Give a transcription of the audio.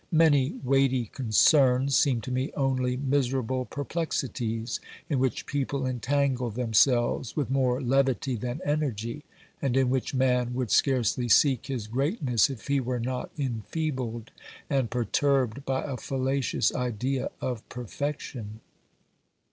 Many weighty concerns seem to me only miserable perplexities, in which people entangle themselves with more levity than energy, and in which man would scarcely seek his greatness if he were not enfeebled and perturbed by a fallacious idea of perfection.